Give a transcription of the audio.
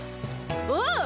おう。